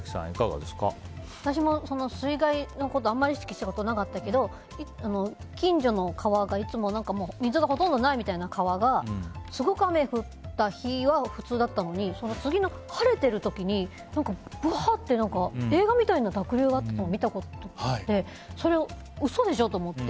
私も水害のことあんまり意識したことなかったけど近所の、いつも水がほとんどないみたいな川がすごく雨が降った日は普通だったのに次の晴れてる時にぶはって映画みたいに濁流が流れているのを見たことがあって嘘でしょと思って。